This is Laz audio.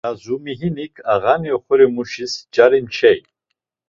Razumihinik ağani oxorimuşis cari meçay.